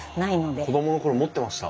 子供の頃持ってました。